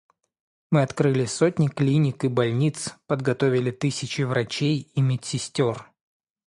Мы открыли сотни клиник и больниц, подготовили тысячи врачей и медсестер.